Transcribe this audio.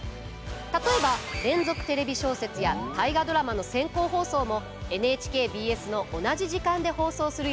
例えば「連続テレビ小説」や「大河ドラマ」の先行放送もＮＨＫＢＳの同じ時間で放送する予定です。